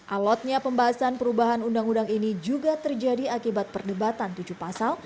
alotnya pembahasan perubahan undang undang ini juga terjadi akibat perdebatan tujuh pasal